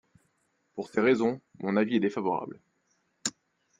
Pour ces raisons, mon avis est défavorable.